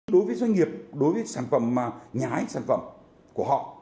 đối với doanh nghiệp đối với sản phẩm nhái sản phẩm của họ